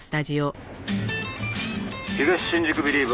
「『東新宿ビリーバー』